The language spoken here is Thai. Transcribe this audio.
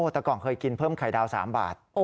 แต่ก่อนเคยกินเพิ่มไข่ดาว๓บาท